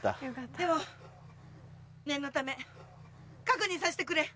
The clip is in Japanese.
でも念のため確認させてくれ。